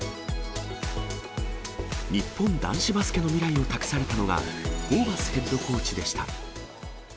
日本男子バスケの未来を託されたのが、ホーバスヘッドコーチでした。